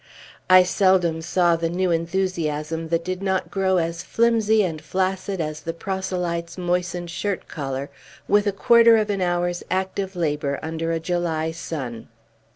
I seldom saw the new enthusiasm that did not grow as flimsy and flaccid as the proselyte's moistened shirt collar, with a quarter of an hour's active labor under a July sun.